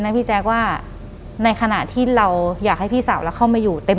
หลังจากนั้นเราไม่ได้คุยกันนะคะเดินเข้าบ้านอืม